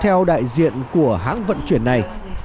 theo đại diện của hãng vận chuyển này